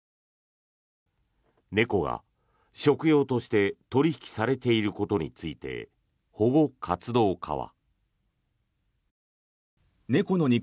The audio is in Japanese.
猫が食用として取引されていることについて保護活動家は。